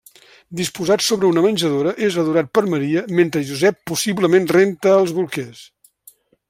Disposat sobre una menjadora, és adorat per Maria, mentre Josep possiblement renta els bolquers.